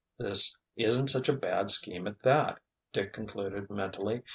"This isn't such a bad scheme, at that," Dick concluded mentally.